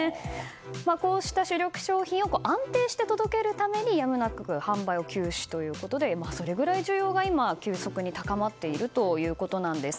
こうした主力商品を安定して届けるためにやむなく販売休止ということでそれくらい需要が今急速に高まっているということです。